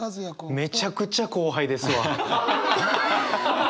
めちゃくちゃ後輩ですわ。